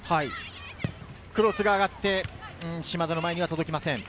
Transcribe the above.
クロスが上がって、島田の前には届きません。